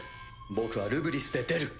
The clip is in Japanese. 僕はルブリスで出る。